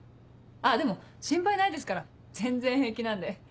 あでも心配ないですから全然平気なんで。